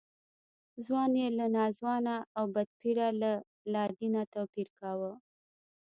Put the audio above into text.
ځوان یې له ناځوانه او بدپیره له لادینه توپیر کاوه.